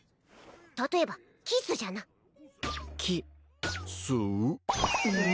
例えばキスじゃなキス？